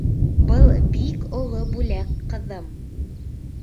— Был бик оло бүләк, ҡыҙым!